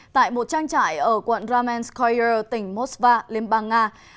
tại một trang trại ở quận ramenskoyer tỉnh mosva liên bang nga